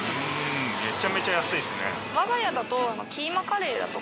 めちゃめちゃ安いっすね。